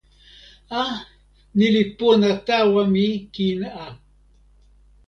a, ni li pona tawa mi kin a.